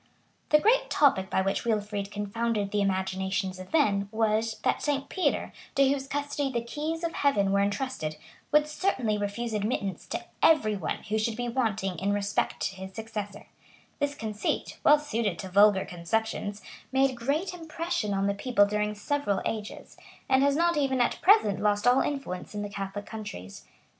24, 60] The great topic by which Wilfrid confounded the imaginations of men, was, that St. Peter, to whos custody the keys of heaven were intrusted, would certainly refuse admittance to every one who should be wanting in respect to his successor, This conceit, well suited to vulgar conceptions, made great impression on the people during several ages, and has act even at present lost all influence in the Catholic countries.